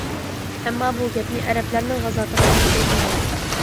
ئەمما، بۇ گەپنى ئەرەبلەرنىڭ غازاتىغا ئىشلەتكىلى بولمايدۇ.